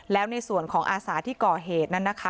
แล้วในส่วนของอาสาที่ก่อเหตุนั้นนะคะ